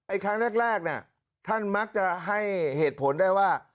ครั้งแรกเนี่ยท่านมักจะให้เหตุผลได้ว่า